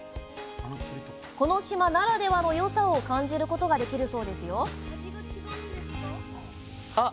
この島ならではのよさを感じることができるそうですよ。